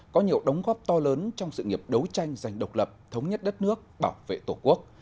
có nhiều đóng góp to lớn trong sự nghiệp đấu tranh giành độc lập thống nhất đất nước bảo vệ tổ quốc